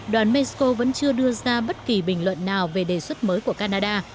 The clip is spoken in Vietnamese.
đoàn mexico vẫn chưa đưa ra bất kỳ bình luận nào về đề xuất mới của canada